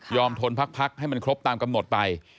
ทนพักให้มันครบตามกำหนดไป